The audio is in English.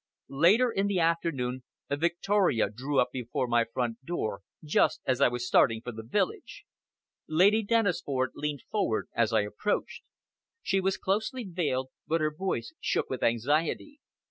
Later in the afternoon a victoria drew up before my front door just as I was starting for the village. Lady Dennisford leaned forward as I approached. She was closely veiled, but her voice shook with anxiety.